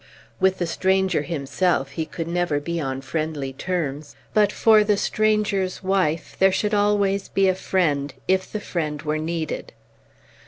With the stranger himself he never could be on friendly terms; but for the stranger's wife there should always be a friend, if the friend were needed.